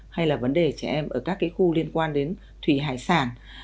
hay là vấn đề trẻ em ở các khu liên quan đến thủy hải sản